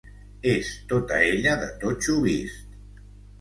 És tota ella de totxo vist.